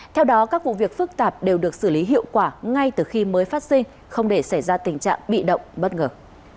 theo đó các vụ việc phức tạp đều được xử lý hiệu quả ngay từ khi mới phát sinh không để xảy ra tình trạng bị động bất ngờ